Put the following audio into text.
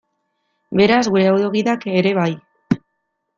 Beraz, gure audio-gidak ere bai.